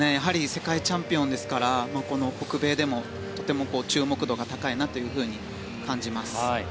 世界チャンピオンですから北米でもとても注目度が高いなと感じます。